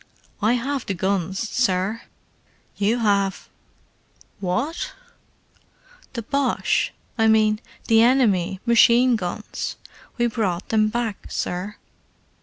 "I have the guns, sir." "You have—what?" "The Boche—I mean, the enemy, machine guns. We brought them back, sir."